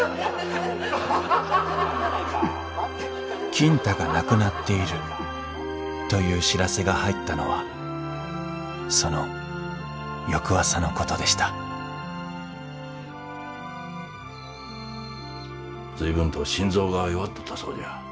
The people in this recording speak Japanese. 金太が亡くなっているという知らせが入ったのはその翌朝のことでした随分と心臓が弱っとったそうじゃ。